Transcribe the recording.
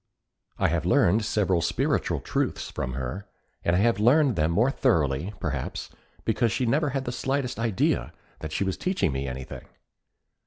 I have learned several spiritual truths from her, and I have learned them more thoroughly, perhaps, because she never had the slightest idea that she was teaching me anything.